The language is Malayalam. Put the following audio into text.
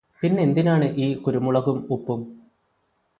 പിന്നെന്തിനാണ് ഈ കുരമുളകും ഉപ്പും